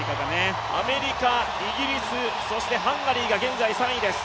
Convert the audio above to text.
アメリカ、イギリス、そしてハンガリーが現在３位です。